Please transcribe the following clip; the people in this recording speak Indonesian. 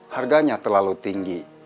harganya terlalu tinggi